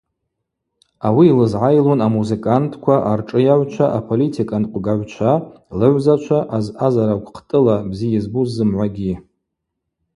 Ауи йлызгӏайлун амузыкантква, аршӏыйагӏвчва, аполитиканкъвгагӏвчва, лыгӏвзачва, азъазара гвхътӏыла бзи йызбуз зымгӏвагьи.